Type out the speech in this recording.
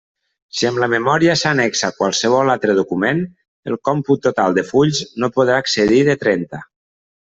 Si amb la memòria s'annexa qualsevol altre document, el còmput total de fulls no podrà excedir de trenta.